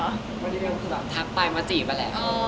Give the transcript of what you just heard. วัดดีเบลคือแบบทักไปมาจีบอะแหละ